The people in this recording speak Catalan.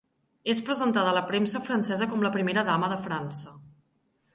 És presentada a la premsa francesa com la primera dama de França.